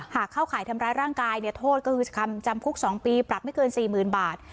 หากเข้าข่ายทำร้ายร่างกายเนี่ยโทษก็คือคำจำคุกสองปีปรับไม่เกินสี่หมื่นบาท